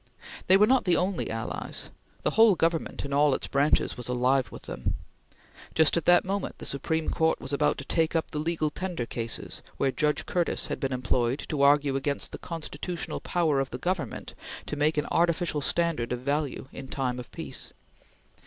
These were not the only allies; the whole government in all its branches was alive with them. Just at that moment the Supreme Court was about to take up the Legal Tender cases where Judge Curtis had been employed to argue against the constitutional power of the Government to make an artificial standard of value in time of peace.